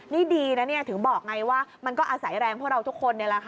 นี่ดีนะถึงบอกไงว่ามันก็อาศัยแรงพวกเราทุกคน